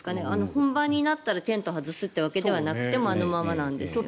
本番になったらテントを外すってわけではなくてあのままなんですかね。